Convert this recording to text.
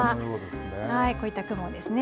こういった雲ですね。